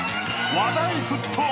［話題沸騰！